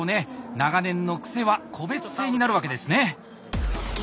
長年の癖は個別性になるわけですね。